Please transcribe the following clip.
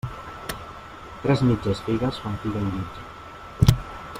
Tres mitges figues fan figa i mitja.